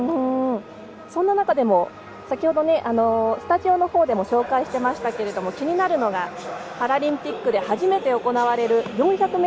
そんな中でも先ほどスタジオのほうでも紹介していましたが気になるのがパラリンピックで初めて行われる４００ｍ